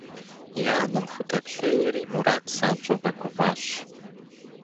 И анэм худэплъейри, Мурат занщӏэу къэгуфӏащ.